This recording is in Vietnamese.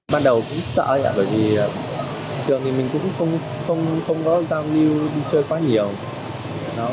ban đầu cũng sợ lắm rồi thì thường thì mình cũng không có giao lưu đi chơi quá nhiều